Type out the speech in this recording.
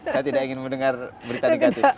saya tidak ingin mendengar berita negatif